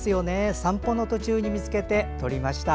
散歩の途中に見つけて撮りました。